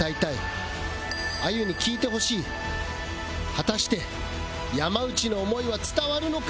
果たして山内の思いは伝わるのか？